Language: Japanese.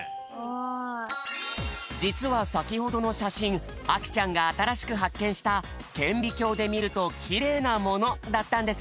じつはさきほどの写真あきちゃんがあたらしく発見した顕微鏡で見るとキレイなものだったんです。